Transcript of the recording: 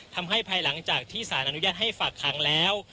ภายหลังจากที่สารอนุญาตให้ฝากขังแล้ว